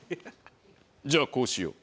じゃあこうしよう。